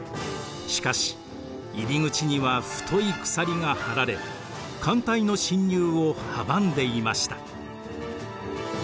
しかし入り口には太い鎖が張られ艦隊の侵入を阻んでいました。